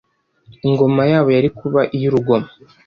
Ingoma yabo yari kuba iy'urugomo